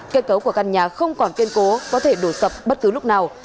kết cấu của căn nhà không còn kiên cố có thể đổ sập bất cứ lúc nào